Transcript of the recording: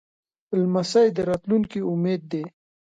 لمسی د راتلونکي امید دی.